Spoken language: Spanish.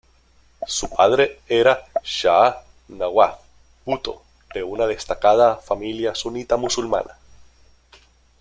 Su padre era Shah Nawaz Bhutto, de una destacada familia sunita musulmana.